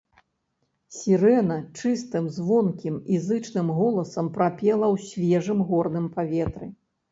Сірэна чыстым, звонкім і зычным голасам прапела ў свежым горным паветры.